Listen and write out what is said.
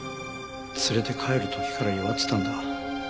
連れて帰る時から弱ってたんだ。